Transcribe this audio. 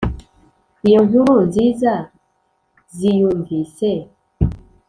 iyo nkuru nziza ziyumvise